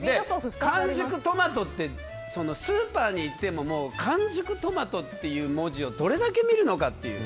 完熟トマトってスーパーに行っても完熟トマトという文字をどれだけ見るのかっていう。